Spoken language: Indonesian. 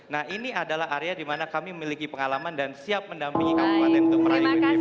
nah ini adalah area di mana kami memiliki pengalaman dan siap mendampingi kabupaten untuk meraih bdp